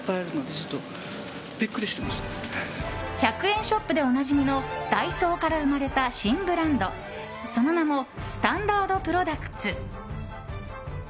１００円ショップでおなじみのダイソーから生まれた新ブランドその名もスタンダードプロダクツ。